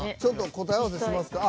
答え合わせしますか。